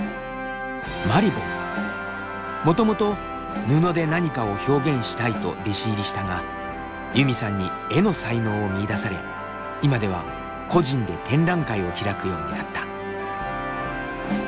もともと布で何かを表現したいと弟子入りしたがユミさんに絵の才能を見いだされ今では個人で展覧会を開くようになった。